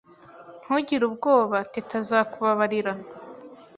Ntugire ubwoba. Teta azakubabarira.